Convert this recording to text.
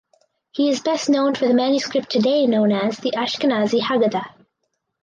He is best known for the manuscript today known as the Ashkenazi Haggadah.